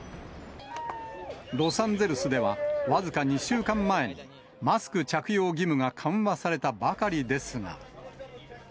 ロサンゼルスでは、僅か２週間前に、マスク着用義務が緩和されたばかりですが。